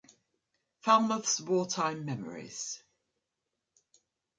Falmouth's Wartime Memories.